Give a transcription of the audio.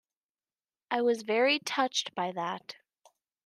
I was very touched by that.